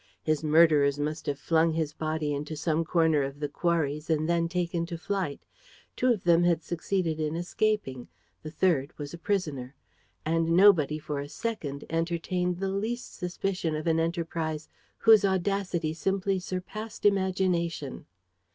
His murderers must have flung his body into some corner of the quarries and then taken to flight. Two of them had succeeded in escaping. The third was a prisoner. And nobody for a second entertained the least suspicion of an enterprise whose audacity simply surpassed imagination.